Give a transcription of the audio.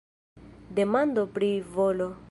Demando pri volo.